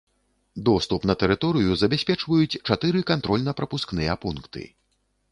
Доступ на тэрыторыю забяспечваюць чатыры кантрольна-прапускныя пункты.